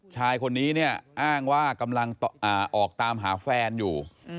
ชายคนนี้เนี่ยอ้างว่ากำลังออกตามหาแฟนอยู่